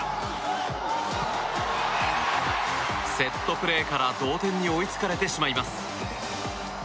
セットプレーから同点に追いつかれてしまいます。